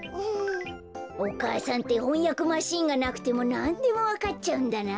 お母さんってほんやくマシーンがなくてもなんでもわかっちゃうんだな。